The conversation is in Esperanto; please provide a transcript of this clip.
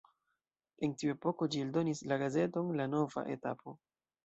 En tiu epoko ĝi eldonis la gazeton La Nova Etapo.